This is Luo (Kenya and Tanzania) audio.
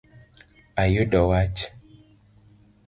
Ayudo wach